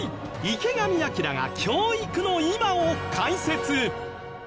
池上彰が教育の今を解説